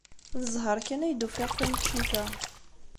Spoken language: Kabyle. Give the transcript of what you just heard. D zzheṛ kan ay d-ufiɣ taneččit-a.